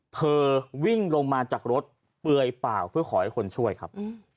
เธอวิ่งลงมาจากรถเปลือยเปล่าเพื่อขอให้คนช่วยครับ